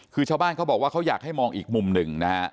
คือชาวบ้านเขาบอกว่าเขาอยากให้มองอีกมุมหนึ่งนะฮะ